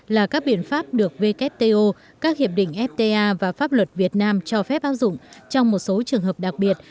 là các biện pháp được wto các hiệp định fta và pháp luật việt nam cho phép áp dụng trong một số trường hợp đặc biệt